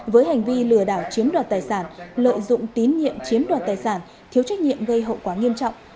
với hành vi lừa đảo chiếm đoạt tài sản lợi dụng tín nhiệm chiếm đoạt tài sản thiếu trách nhiệm gây hậu quả nghiêm trọng